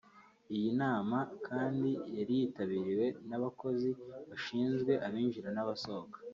Iyi nama kandi yari yitabiriwe n’abakozi bashinzwe abinjira n’abasohoka